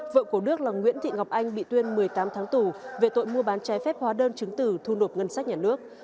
vợ của đức là nguyễn thị ngọc anh bị tuyên một mươi tám tháng tù về tội mua bán trái phép hóa đơn chứng từ thu nộp ngân sách nhà nước